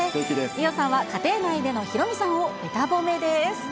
伊代さんは家庭内でのヒロミさんをべた褒めです。